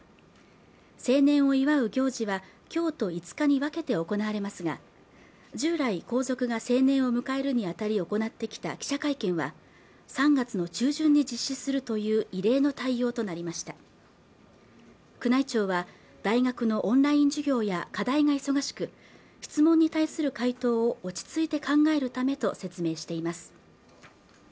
成年を祝う行事は今日と５日に分けて行われますが従来皇族が成年を迎えるにあたり行ってきた記者会見は３月の中旬に実施するという異例の対応となりました宮内庁は大学のオンライン授業や課題が忙しく質問に対する回答を落ち着いて考えるためと説明しています